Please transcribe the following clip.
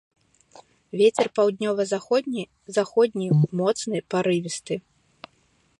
Вецер паўднёва-заходні, заходні моцны парывісты.